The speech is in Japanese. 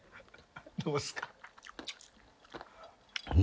・どうっすか？